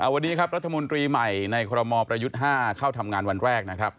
วันนี้ครับรัฐมนตรีใหม่ในคอรมอประยุทธ์๕เข้าทำงานวันแรกนะครับ